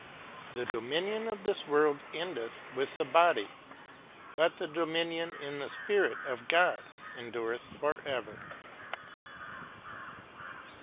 The dominion of this world endeth with the body, but the dominion in the Spirit of God endureth forever.